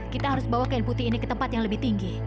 kita harus bawa kain putih ini ke tempat yang lebih tinggi